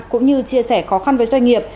cũng như chia sẻ khó khăn với doanh nghiệp